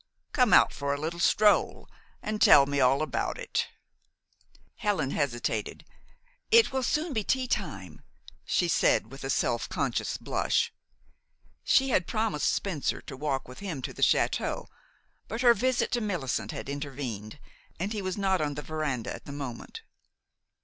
Come out for a little stroll, and tell me all about it." Helen hesitated. "It will soon be tea time," she said, with a self conscious blush. She had promised Spencer to walk with him to the château; but her visit to Millicent had intervened, and he was not on the veranda at the moment.